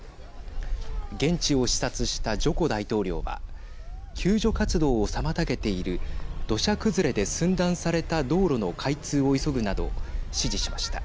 現地を視察したジョコ大統領は救助活動を妨げている土砂崩れで寸断された道路の開通を急ぐなど指示しました。